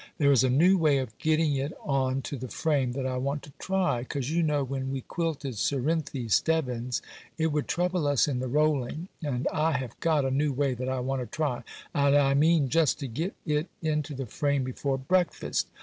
There is a new way of getting it on to the frame that I want to try, 'cause you know when we quilted Cerinthy Stebbins' it would trouble us in the rolling; and I have got a new way that I want to try, and I mean just to get it into the frame before breakfast.